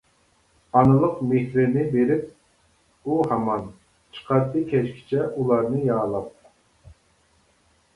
ئانىلىق مېھرىنى بېرىپ ئۇ ھامان، چىقاتتى كەچكىچە ئۇلارنى يالاپ.